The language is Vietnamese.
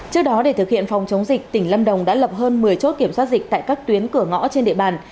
trước đó để thực hiện phòng chống dịch tỉnh lâm đồng đã lập hơn một mươi chốt kiểm soát dịch tại các tuyến cửa ngõ trên địa bàn